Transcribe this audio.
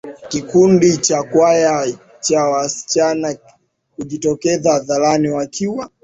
kikundi cha kwaya cha wasichana kujitiokeza hadharani wakiwa